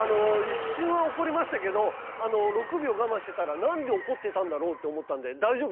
一瞬は怒りましたけど６秒我慢してたら何で怒ってたんだろうって思ったんで大丈夫です。